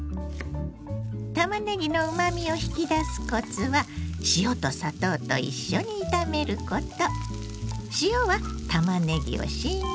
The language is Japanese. たまねぎのうまみを引き出すコツは塩と砂糖と一緒に炒めること。